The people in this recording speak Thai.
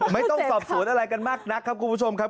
ไม่ต้องสอบสวนอะไรกันมากนักครับคุณผู้ชมครับ